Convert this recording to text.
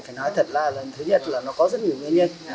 phải nói thật là lần thứ nhất là nó có rất nhiều nguyên nhân